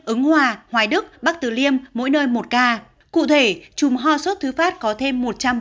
hương hòa hoài đức bắc tử liêm mỗi nơi một ca cụ thể trùm hoa sốt thứ phát có thêm một trăm bốn mươi bảy ca